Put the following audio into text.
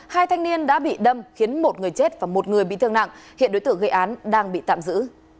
hai thanh niên đã bị đâm khiến một người chết và một người bị thương nặng hiện đối tượng gây án đang bị tạm giữ